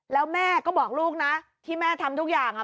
แล้วแม่ก็บอกลูกนะที่แม่ทำทุกอย่าง